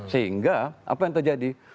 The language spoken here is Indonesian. sehingga apa yang terjadi